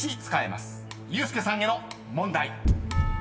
［ユースケさんへの問題］